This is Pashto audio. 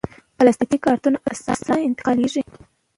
پلاستيکي کارتنونه اسانه انتقالېږي.